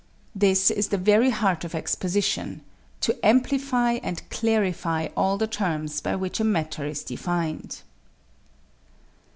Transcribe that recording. This is the very heart of exposition to amplify and clarify all the terms by which a matter is defined.